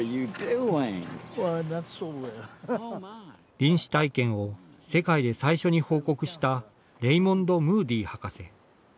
臨死体験を世界で最初に報告したレイモンド・ムーディ博士。